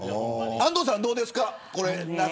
安藤さんはどうですか。